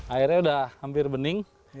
airnya udah hampir bening